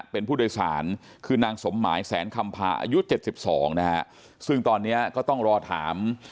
เป็นผู้โดยสารคือนางสมหมายแสนคำพาอายุเจ็ดสิบสองนะฮะซึ่งตอนนี้ก็ต้องรอถาม